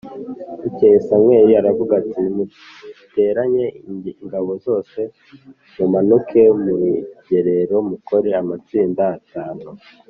Bukeye Samweli aravuga ati Nimuteranye ingabo zose mu manuke mu rugerero mukore amatsinda atanu